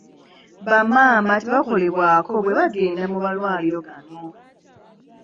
Bamaama tebakolebwako bwe bagenda mu malwaliro gano.